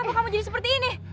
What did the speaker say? kenapa kamu jadi seperti ini